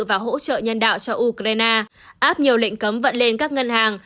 và hỗ trợ nhân đạo cho ukraine áp nhiều lệnh cấm vận lên các ngân hàng